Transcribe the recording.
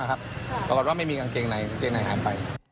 ปรากฏว่าไม่มีกางเกงในกางเกงในหันไป